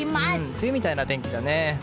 梅雨みたいな天気だね。